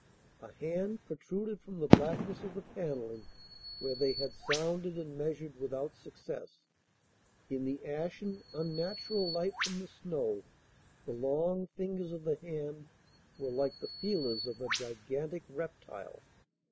A hand protruded from the blackness of the panelling where they had sounded and measured without success. In the ashen, unnatural light from the snow the long fingers of the hand were like the feelers of a gigantic reptile.